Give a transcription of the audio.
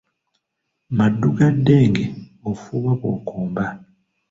Maddu ga ddenge ofuuwa bw’okomba.